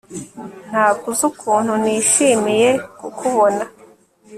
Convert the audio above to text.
Ntabwo uzi ukuntu nishimiye kukubona